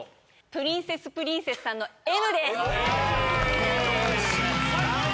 プリンセスプリンセスさんの「Ｍ」です最高！